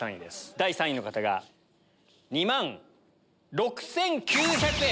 第３位の方が２万６９００円。